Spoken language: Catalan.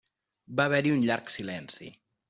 Va haver-hi un llarg silenci.